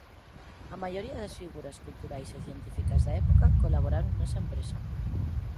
A maioría das figuras culturais e científicas da época colaboraron nesa empresa.